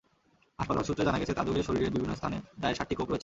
হাসপাতাল সূত্রে জানা গেছে, তাজুলের শরীরের বিভিন্ন স্থানে দায়ের সাতটি কোপ রয়েছে।